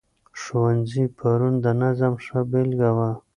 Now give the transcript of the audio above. ښوونځي پرون د نظم ښه بېلګه وه.